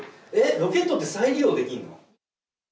ロケットって再利用できんの？